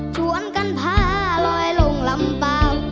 ชวนกันพาลอยลงลำเปล่า